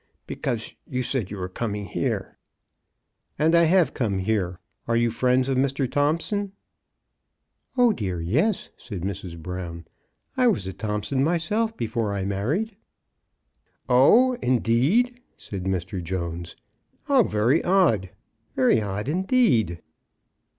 Because you said you were coming here." *' And I have come here. Are you friends of Mr. Thompson?" *'0h dear yes," said Mrs. Brown. " I was a Thompson myself before I married." '' Oh — indeed !" said Mr. Jones. " How very odd !— very odd indeed."